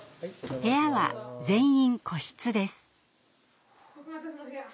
部屋は全員個室です。